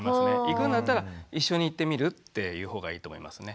行くんだったら「一緒に行ってみる？」っていうほうがいいと思いますね。